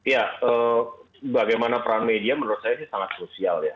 ya bagaimana peran media menurut saya sangat crucial ya